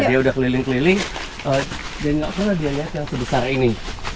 dia udah keliling keliling dan nggak pernah dia lihat yang sebesar ini